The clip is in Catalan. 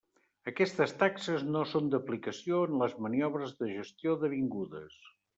Aquestes taxes no són d'aplicació en les maniobres de gestió d'avingudes.